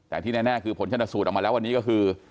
แต่ที่แน่คือผลชนสูตรออกมาแล้ววันนี้ก็คือ